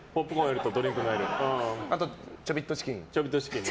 あと、ちょびっとチキン。